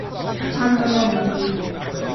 ハンドルを右に